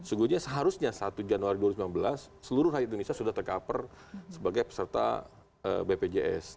sejujurnya seharusnya satu januari dua ribu sembilan belas seluruh rakyat indonesia sudah tercover sebagai peserta bpjs